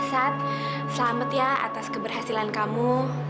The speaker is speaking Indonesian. selamat ya atas keberhasilan kamu